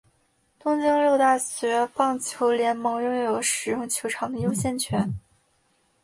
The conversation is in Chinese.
东京六大学棒球联盟拥有使用球场的优先权。